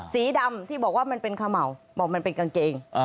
สีดำที่บอกว่ามันเป็นเขม่าบอกมันเป็นกางเกง